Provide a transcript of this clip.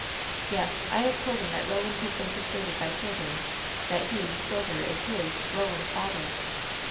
"Yes; I have told him that Roland has been per suaded by Silver, that he. Silver, is his, Roland's, father.